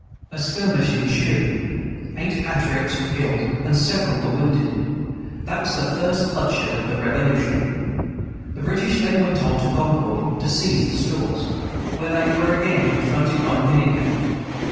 A skirmish ensued: eight patriots were killed, and several were wounded. That was the first bloodshed of the Revolution. The British then went on to Concord, to seize the stores, where they were again confronted by minute men.